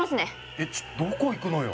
えっちょっどこ行くのよ